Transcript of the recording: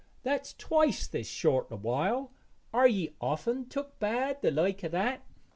That's twice this short while; are ye often took bad the like o' that?'